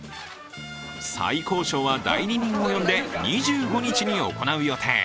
再交渉は代理人を呼んで２５日に行う予定。